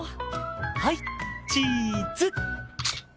はいチーズ。